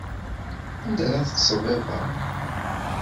Anda ara teṭṭseḍ iḍ-a?